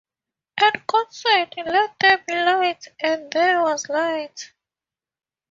And God said, Let there be light: and there was light.